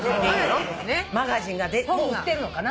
マガジンがもう売ってるのかな。